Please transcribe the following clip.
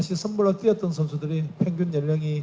saya ingin memberi pengetahuan kepada para pemain timnas indonesia